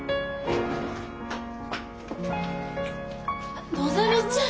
あっのぞみちゃん！